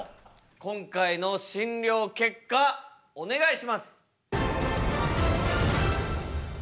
今回の診りょう結果お願いします。